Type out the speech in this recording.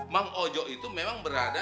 mang ojo itu memang berada